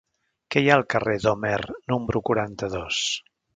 Què hi ha al carrer d'Homer número quaranta-dos?